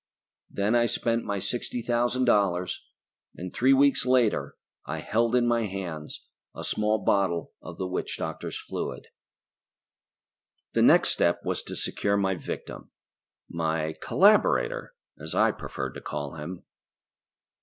Then I spent my sixty thousand dollars, and three weeks later I held in my hands a small bottle of the witch doctors' fluid. The next step was to secure my victim my collaborator, I preferred to call him.